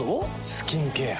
スキンケア。